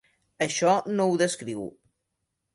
Això no ho descriu.